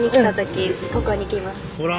ほら！